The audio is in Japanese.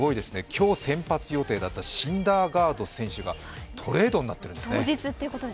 今日先発予定だったシンダーガード選手がトレードになっているんですね。